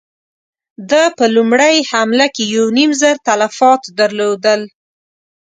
ده په لومړۍ حمله کې يو نيم زر تلفات درلودل.